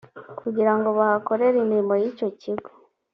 kugira ngo bahakorere imirimo y icyo kigo